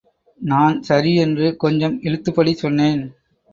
நான் சரி என்று... கொஞ்சம்... இழுத்துபடி சொன்னேன்.